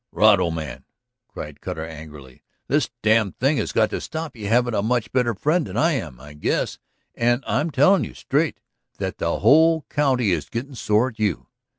"Rod, old man," cried Cutter angrily, "this damned thing has got to stop! You haven't a much better friend than I am, I guess, and I'm telling you straight that the whole county is getting sore on you.